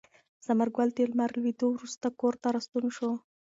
ثمر ګل د لمر له لوېدو وروسته کور ته راستون شو.